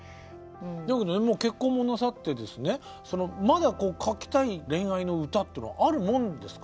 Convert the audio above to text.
だけど結婚もなさってですねまだ書きたい恋愛の歌っていうのはあるもんですか？